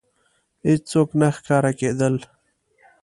هېڅوک نه ښکاره کېدل.